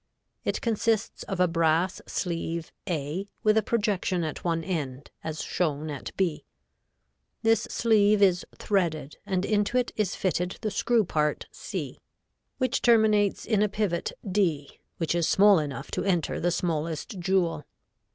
It consists of a brass sleeve A, with a projection at one end as shown at B. This sleeve is threaded, and into it is fitted the screw part C, which terminates in a pivot D, which is small enough to enter the smallest jewel.